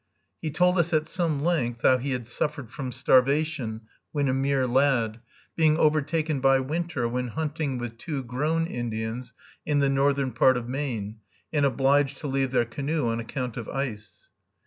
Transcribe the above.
He told us at some length how he had suffered from starvation when a mere lad, being overtaken by winter when hunting with two grown Indians in the northern part of Maine, and obliged to leave their canoe on account of ice.